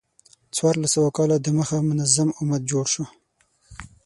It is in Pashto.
څوارلس سوه کاله د مخه منظم امت جوړ شو.